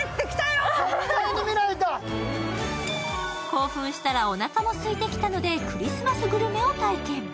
興奮したらおなかもすいてきたのでクリスマスグルメを体験。